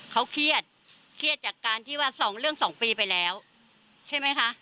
เขาเครียดเครียดจากการที่ว่าสองเรื่องสองปีไปแล้วใช่ไหมคะ